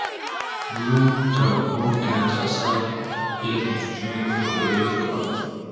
Blume trabajó en el trazado y la construcción de los ferrocarriles peruanos.